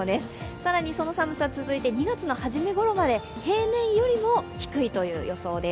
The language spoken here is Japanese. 更にその寒さ続いて、２月の初めごろまで平年よりも低いという予想です。